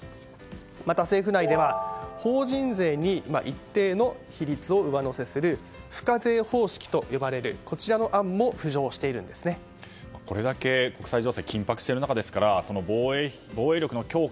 また、政府内では法人税に一定の比率を上乗せする付加税方式と呼ばれる案もこれだけ国際情勢が緊迫している中ですから防衛力の強化